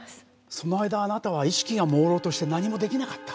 その間あなたは意識が朦朧として何も出来なかった。